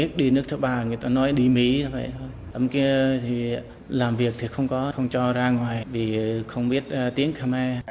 không có không cho ra ngoài vì không biết tiếng khmer